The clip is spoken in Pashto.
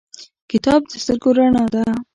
کتاب د سترګو رڼا ده